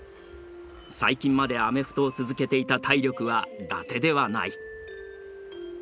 最近までアメフトを続けていた体力はダテではない。